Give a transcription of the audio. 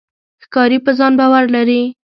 ښکاري په ځان باور لري.